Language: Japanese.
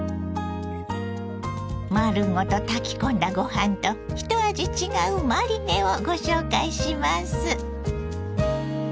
丸ごと炊き込んだご飯と一味違うマリネをご紹介します。